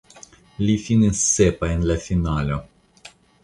Li finis sepa en la finalo.